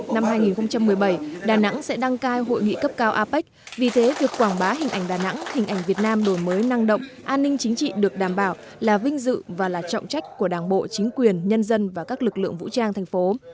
năm hai nghìn một mươi bảy đà nẵng sẽ đăng cai hội nghị cấp cao apec vì thế việc quảng bá hình ảnh đà nẵng hình ảnh việt nam đổi mới năng động an ninh chính trị được đảm bảo là vinh dự và là trọng trách của đảng bộ chính quyền nhân dân và các lực lượng vũ trang thành phố